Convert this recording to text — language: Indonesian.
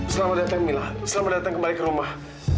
selamat datang mila selamat datang kembali ke rumah